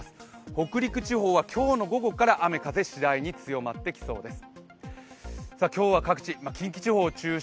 北陸地方は今日の午後から雨・風次第に強まってきそうです。